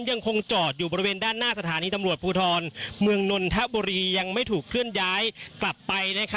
ยังคงจอดอยู่บริเวณด้านหน้าสพมนนทบุรียังไม่ถูกเคลื่อนย้ายกลับไป